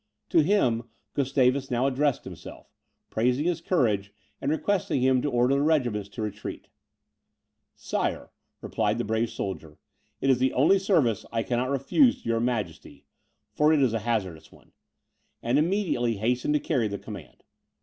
To him Gustavus now addressed himself, praising his courage, and requesting him to order the regiments to retreat. "Sire," replied the brave soldier, "it is the only service I cannot refuse to your Majesty; for it is a hazardous one," and immediately hastened to carry the command.